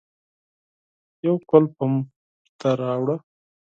يو کولپ هم ورته راوړه.